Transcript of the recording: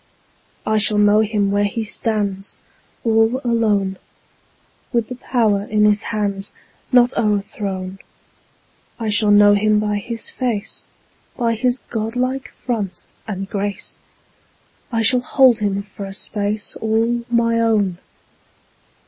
I shall know him where he stands All alone, 10 With the power in his hands Not o'erthrown; I shall know him by his face, By his godlike front and grace; I shall hold him for a space 15 All my own!